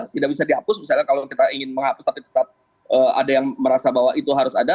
tidak bisa dihapus misalnya kalau kita ingin menghapus tapi tetap ada yang merasa bahwa itu harus ada